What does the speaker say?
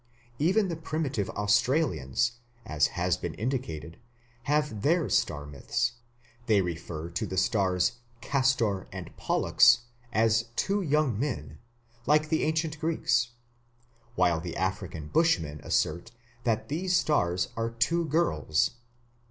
Even the primitive Australians, as has been indicated, have their star myths; they refer to the stars Castor and Pollux as two young men, like the ancient Greeks, while the African Bushmen assert that these stars are two girls.